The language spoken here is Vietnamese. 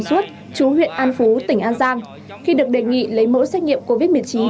chút chú huyện an phú tỉnh an giang khi được đề nghị lấy mẫu xét nghiệm covid một mươi chín